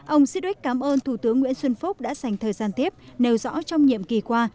ông sittwick cảm ơn thủ tướng nguyễn xuân phúc đã dành thời gian tiếp nêu rõ trong nhiệm kỳ qua